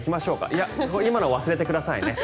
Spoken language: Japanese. いや、今のは忘れてくださいね。